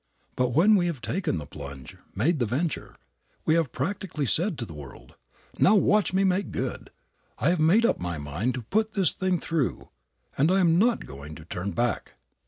But when we have taken the plunge, made the venture, we have practically said to the world, "Now, watch me make good. I have made up my mind to put this thing through, and I am not going to turn back."